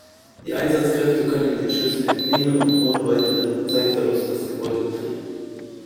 Die Einsatzkräfte können den Schlüssel entnehmen und ohne weiteren Zeitverlust das Gebäude betreten.